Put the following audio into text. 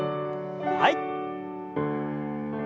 はい。